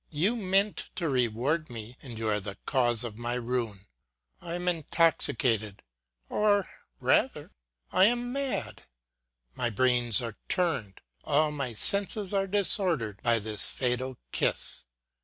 You meant to reward me, and you are the cause of my ruin. I am intoxi cated ; or, rather, I am mad. My brains are turned, all my senses are disordered by this fatal kiss.